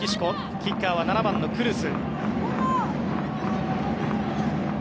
キッカーは７番のクルス。